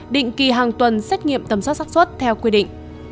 định kỳ hàng tuần xét nghiệm tầm soát sắc xuất theo quy định